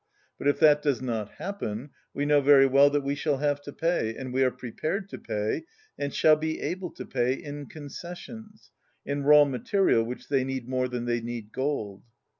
But if that does not happen we know very well that we shall have to pay, and we are prepared to pay, and shall be able to pay, in concessions, in raw material which they need more than they need gold."